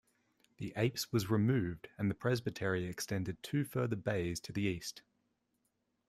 The apse was removed and the presbytery extended two further bays to the east.